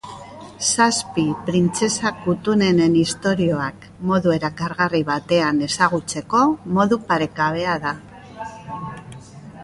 Zazpi printzesa kutunenen istorioak modu erakargarri batean ezagutzeko modu paregabea da.